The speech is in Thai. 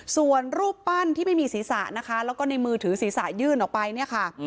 ส่วนรูปปั้นที่ไม่มีศีรษะนะคะแล้วก็ในมือถือศีรษะยื่นออกไปเนี่ยค่ะ